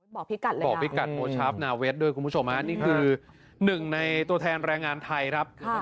บ่อพิกัดโอชาร์ฟนาเวสด้วยคุณผู้ชมนี่คือหนึ่งในตัวแทนแรงงานไทยครับ